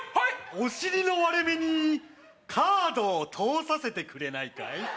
お尻の割れ目にカードを通させてくれないかい？